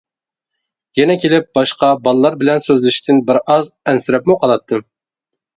يەنە كېلىپ، باشقا بالىلار بىلەن سۆزلىشىشتىن بىر ئاز ئەنسىرەپمۇ قالاتتىم.